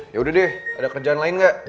ya udah deh ada kerjaan lain nggak